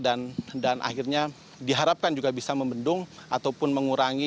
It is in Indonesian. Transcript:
dan akhirnya diharapkan juga bisa membendung ataupun mengurangi